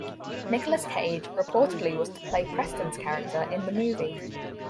Nicolas Cage reportedly was to play Preston's character in the movie.